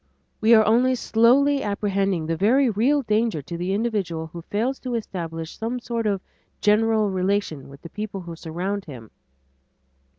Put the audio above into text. We are only slowly apprehending the very real danger to the individual who fails to establish some sort of genuine relation with the people who surround him.